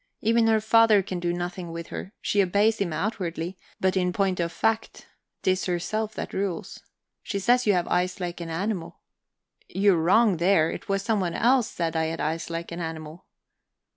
Even her father can do nothing with her; she obeys him outwardly, but, in point of fact, 'tis she herself that rules. She says you have eyes like an animal..." "You're wrong there it was someone else said I had eyes like an animal."